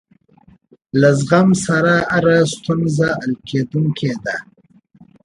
له زغم سره هره ستونزه حل کېدونکې ده.